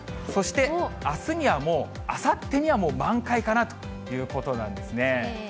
そして、あすにはもう、あさってにはもう満開かなということなんですね。